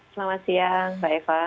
selamat siang pak eva